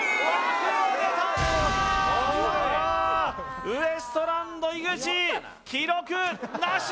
速いウエストランド井口記録なし！